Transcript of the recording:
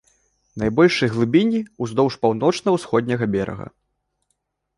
Найбольшыя глыбіні ўздоўж паўночна-усходняга берага.